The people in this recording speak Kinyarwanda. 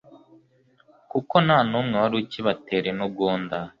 kuko nta n'umwe wari ukibatera intugunda